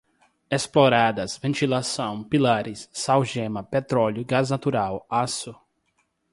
exploradas, ventilação, pilares, sal-gema, petróleo, gás natural, aço